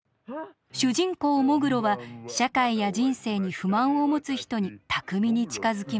主人公喪黒は社会や人生に不満を持つ人に巧みに近づきます。